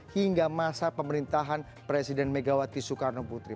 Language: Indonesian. hingga masa pemerintahan presiden megawati soekarno putri